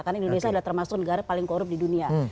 karena indonesia adalah termasuk negara paling korup di dunia